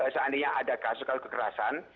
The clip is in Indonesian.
seandainya ada kasus kasus kekerasan